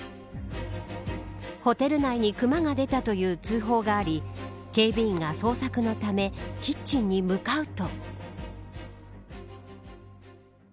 ホテル内に熊が出たという通報があり警備員が捜索のためキッチンに向かうと。